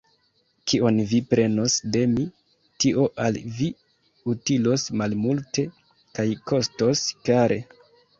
Kion vi prenos de mi, tio al vi utilos malmulte kaj kostos kare.